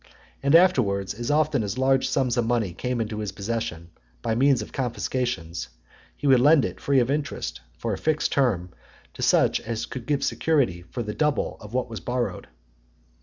And afterwards, as often as large sums of money came into his possession by means of confiscations, he would lend it free of interest, for a fixed term, to such as could give security for the double of what was borrowed.